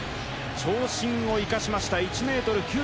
長身を生かしました、１ｍ９６ｃｍ。